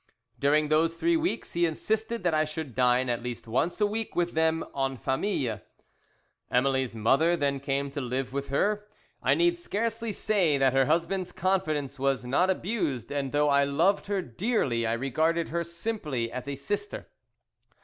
"During those three weeks he insisted that I should dine at least once a week with them en famille. "Emily's mother then came to live with her. I need scarcely say that her husband's confidence was not abused, and though I loved her dearly I regarded her simply as a sister.